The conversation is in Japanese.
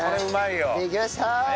できました！